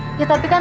aku mau ke rumah